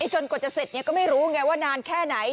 จนกว่าจะเสร็จก็ไม่รู้ไงว่านานแค่ไหน